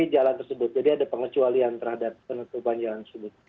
jadi ada penutupan jalan tersebut